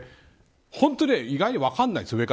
本当に意外に分からないんですね。